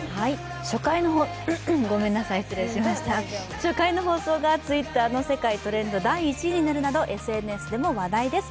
初回の放送がＴｗｉｔｔｅｒの世界トレンド１位になるなどＳＮＳでも話題です。